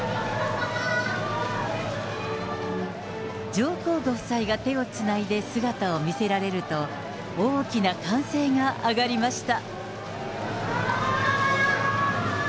上皇ご夫妻が手をつないで姿を見せられると、大きな歓声が上がりました。